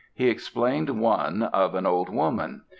He explained one, of an old woman.